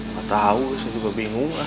nggak tahu saya juga bingung